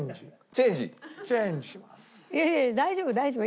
いやいや大丈夫大丈夫。